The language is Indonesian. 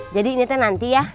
jadi ini teteh nanti ya